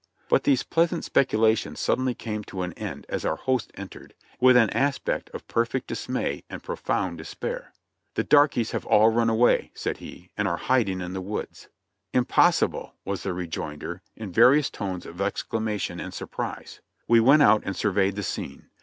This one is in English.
But these pleasant speculations suddenly came to an end as our host entered, with an aspect of perfect dismay and profound despair. "The darkies have all run away," said he, "and are hiding in the woods !" "Impossible !" was the rejoinder, in various tones of exclamation and surprise. We went out and surveyed the scene.